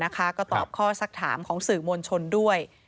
ก็ตอบข้อสักถามของสื่อมวลชนด้วย